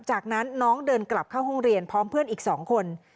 จากนั้นน้องเดินกลับเข้าห้องเรียนพร้อมเพื่อนอีก๒คน